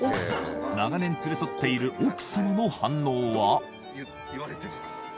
長年連れ添っている奥様の反応は？